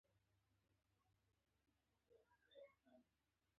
د هغه سونګېدا مې واورېد.